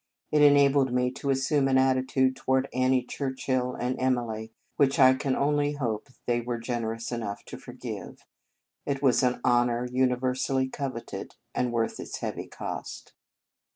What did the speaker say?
It enabled me to assume an attitude toward Annie Churchill and Emily which I can only hope they were generous enough to forgive. It was an honour universally coveted, and worth its heavy cost.